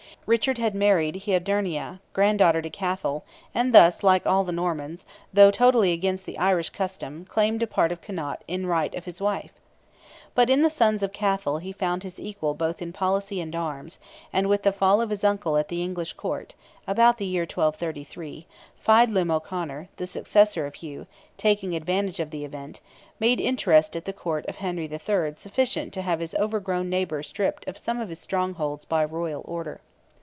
Richard had married Hodierna, granddaughter to Cathal, and thus, like all the Normans, though totally against the Irish custom, claimed a part of Connaught in right of his wife. But in the sons of Cathal he found his equal both in policy and arms, and with the fall of his uncle at the English court (about the year 1233), Feidlim O'Conor, the successor of Hugh, taking advantage of the event, made interest at the Court of Henry III. sufficient to have his overgrown neighbour stripped of some of his strongholds by royal order.